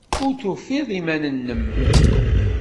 Ur tufiḍ iman-nnem.